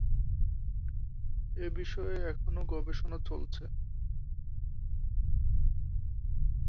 এ বিষয়ে এখনো গবেষণা চলছে।